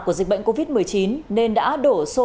của dịch bệnh covid một mươi chín nên đã đổ xô